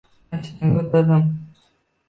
Mashinaga o`tirdim